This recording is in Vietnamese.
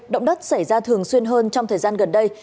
động đất xảy ra thường xuyên hơn trong thời gian gần đây